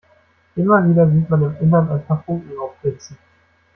Immer wieder sieht man im Innern ein paar Funken aufblitzen.